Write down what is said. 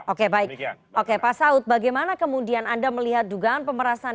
oke baik oke pak saud bagaimana kemudian anda melihat dugaan pemerasan